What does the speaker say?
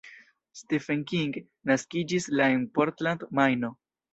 Stephen King naskiĝis la en Portland, Majno.